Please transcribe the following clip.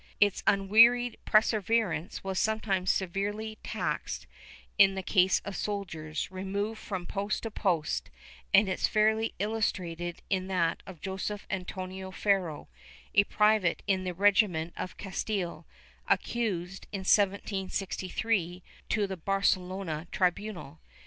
Its unwearied perseverance was sometimes severely taxed in the case of soldiers, removed from post to post, and is fairly illus trated in that of Joseph Antonio Ferro, a private in the regiment of Castile, accused, in 1763, to the Barcelona tribunal.